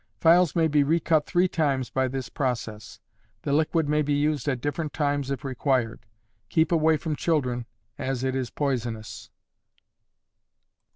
Files may be recut three times by this process. The liquid may be used at different times if required. Keep away from children, as it is poisonous.